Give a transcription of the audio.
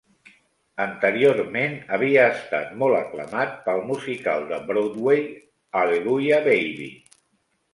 Anteriorment havia estat molt aclamat pel musical de Broadway "Hallelujah, Baby!"